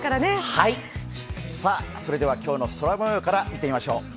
それでは、今日の空模様から見てみましょう。